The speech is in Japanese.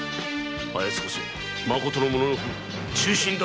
あやつこそまことの武士。